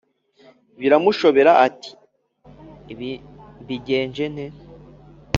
biramushobera ati: “ibi mbigenje nte!